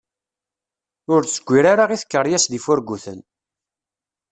Ur zeggir ara i tkeryas d yifurguten.